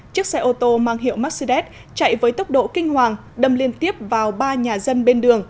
chiếc xe ô tô mang hiệu mercedes chạy với tốc độ kinh hoàng đâm liên tiếp vào ba nhà dân bên đường